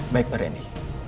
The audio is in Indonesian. baik pak rendy